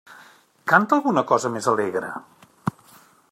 Canta alguna cosa més alegre.